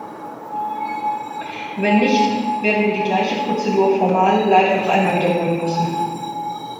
Wenn nicht, werden wir die gleiche Prozedur formal leider noch einmal wiederholen müssen.